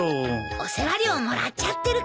お世話料もらっちゃってるから。